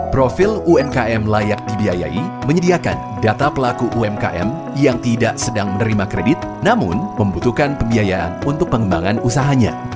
profil umkm layak dibiayai menyediakan data pelaku umkm yang tidak sedang menerima kredit namun membutuhkan pembiayaan untuk pengembangan usahanya